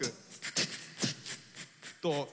どう？